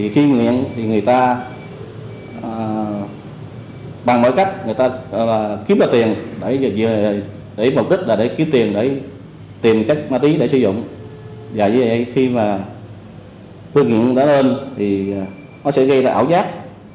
tiền chất ma túy để sử dụng dạy như vậy thì khi mà cướp nghiện đã lên thì nó sẽ gây ra ảo giác